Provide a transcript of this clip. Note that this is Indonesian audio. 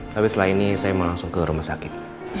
tapi setelah ini saya mau langsung ke rumah sakit